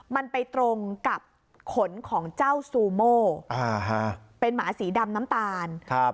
มันไปตรงกับขนของเจ้าซูโมเป็นหมาสีดำน้ำตาลครับ